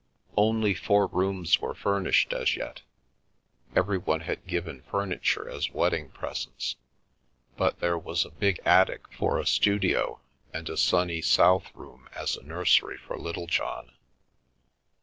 Only four rooms were furnished as yet— every one had given furniture as wedding presents — but there was a big attic for a studio, and a sunny, south room as a nursery for Littlejohn.